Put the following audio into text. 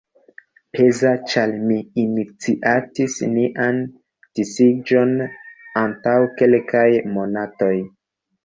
Peza, ĉar mi iniciatis nian disiĝon antaŭ kelkaj monatoj.